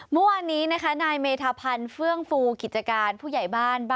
เมื่อวานนี้นะคะนายเมธาพันธ์เฟื่องฟูกิจการผู้ใหญ่บ้าน